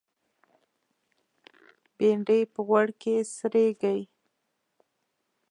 بېنډۍ په غوړ کې سرېږي